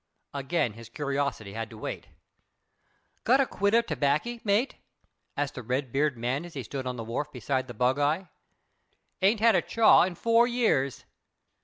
Again his curiosity had to wait. "Got a quid of 'baccy, mate?" asked the red bearded man as he stood on the wharf beside the bugeye. "Ain't had a chaw in four years."